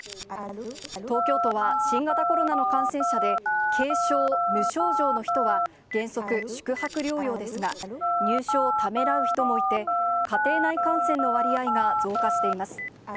東京都は、新型コロナの感染者で、軽症・無症状の人は、原則宿泊療養ですが、入所をためらう人もいて、家庭内感染の割合が増加しています。